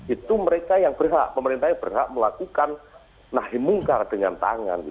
itu mereka yang berhak pemerintah yang berhak melakukan nahi mungkar dengan tangan